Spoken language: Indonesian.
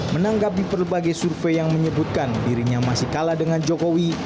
menanggapi berbagai survei yang menyebutkan dirinya masih kalah dengan jokowi